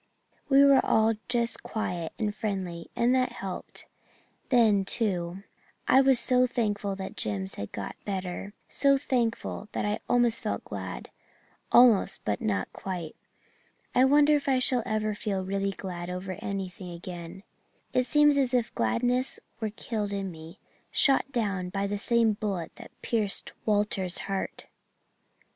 We were all just quiet and friendly, and that helped. Then, too, I was so thankful that Jims had got better so thankful that I almost felt glad almost but not quite. I wonder if I shall ever feel really glad over anything again. It seems as if gladness were killed in me shot down by the same bullet that pierced Walter's heart.